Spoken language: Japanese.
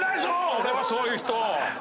俺はそういう人。